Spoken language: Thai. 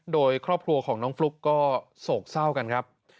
โดยครอบครัวของน้องฟลุ๊กก็โศกเศร้ากันครับ